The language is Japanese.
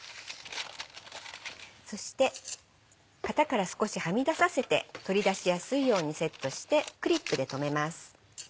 そして型から少しはみ出させて取り出しやすいようにセットしてクリップで留めます。